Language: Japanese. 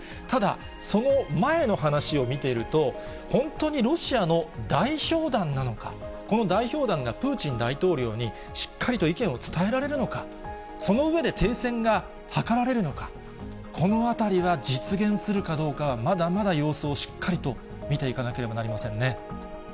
ただ、その前の話を見ていると、本当にロシアの代表団なのか、この代表団がプーチン大統領にしっかりと意見を伝えられるのか、その上で停戦が図られるのか、このあたりが実現するかどうかは、まだまだ様子をしっかりと見ていかなければなりませんね。